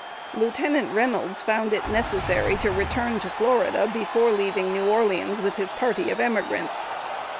Lieutenant Reynolds found it necessary to return to Florida before leaving New Orleans with his party of Emigrants.